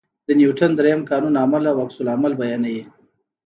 د نیوټن درېیم قانون عمل او عکس العمل بیانوي.